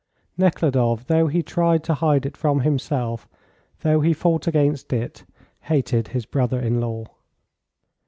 Nekhludoff, though he tried to hide it from himself, though he fought against it, hated his brother in law.